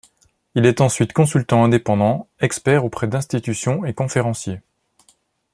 Il est ensuite consultant indépendant, expert auprès d'institutions et conférencier.